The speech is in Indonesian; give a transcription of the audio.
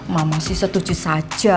mama sih setuju saja